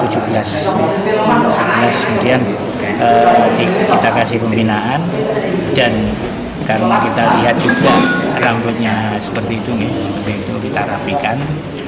sebenarnya ke tujuh belas kemudian kita kasih pembinaan dan karena kita lihat juga rambutnya seperti itu kita rapikan